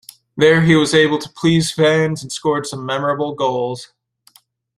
There he was able to please fans and scored some memorable goals.